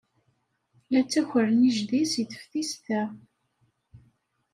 La ttakren ijdi seg teftist-a.